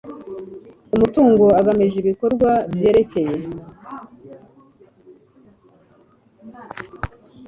ku mutungo agamije ibikorwa byerekeye